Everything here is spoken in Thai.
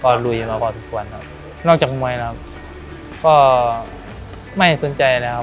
ก็ลุยมาพอสมควรครับนอกจากมวยนะครับก็ไม่สนใจแล้วครับ